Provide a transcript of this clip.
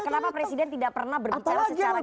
kenapa presiden tidak pernah berbicara secara